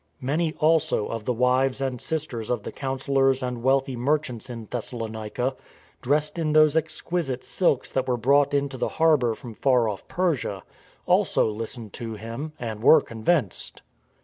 Many also of the wives and sisters of the councillors and wealthy merchants in Thessalonica — dressed in THE GOAD OF GOD 203 those exquisite silks that were brought into the harbour from far off Persia — also listened to him, and were convinced.